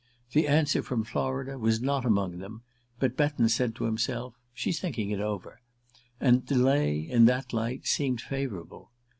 The answer from Florida was not among them; but Betton said to himself "She's thinking it over," and delay, in that light, seemed favourable.